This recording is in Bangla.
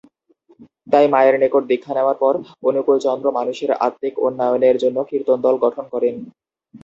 তাই মায়ের নিকট দীক্ষা নেওয়ার পর অনুকূলচন্দ্র মানুষের আত্মিক উন্নয়নের জন্য কীর্তনদল গঠন করেন।